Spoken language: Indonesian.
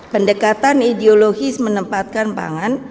pendekatan ideologis menempatkan pangan